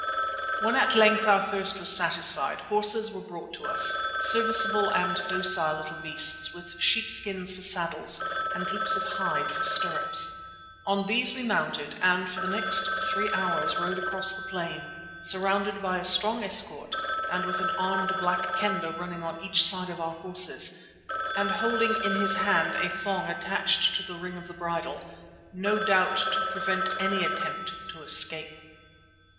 When at length our thirst was satisfied, horses were brought to us, serviceable and docile little beasts with sheepskins for saddles and loops of hide for stirrups. On these we mounted and for the next three hours rode across the plain, surrounded by a strong escort and with an armed Black Kendah running on each side of our horses and holding in his hand a thong attached to the ring of the bridle, no doubt to prevent any attempt to escape.